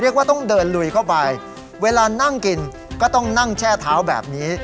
ต้องเดินลุยเข้าไปเวลานั่งกินก็ต้องนั่งแช่เท้าแบบนี้